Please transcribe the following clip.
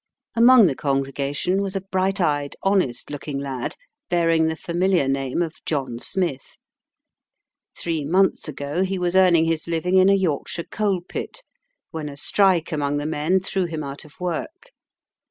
Among the congregation was a bright eyed, honest looking lad bearing the familiar name of John Smith. Three months ago he was earning his living in a Yorkshire coal pit, when a strike among the men threw him out of work.